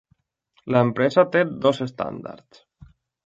L'empresa té dos estàndards.